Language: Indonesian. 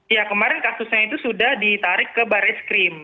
ya kemarin kasusnya itu sudah ditarik ke baris krim